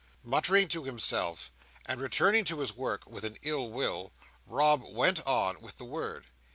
Muttering to himself, and returning to his work with an ill will, Rob went on with the word.